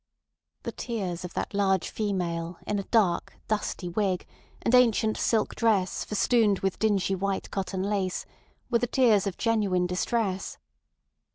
The tears of that large female in a dark, dusty wig, and ancient silk dress festooned with dingy white cotton lace, were the tears of genuine distress.